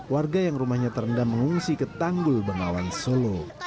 warga yang rumahnya terendam mengungsi ke tanggul bengawan solo